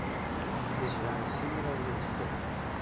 Tejba i simraw n yiseggasen.